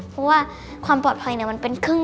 มีวิธีครับแปลกมากเนี่ย